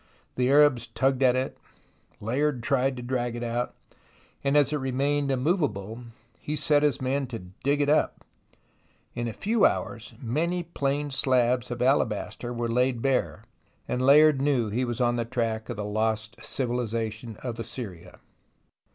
The Arabs tugged at it, Layard tried to drag it out, and as it remained immovable, he set his men to dig it up. In a few hours, mxany plain slabs of alabaster were laid bare, and Layard knew he was on the track of the lost civilization of Assyria.